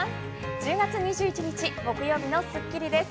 １０月２１日、木曜日の『スッキリ』です。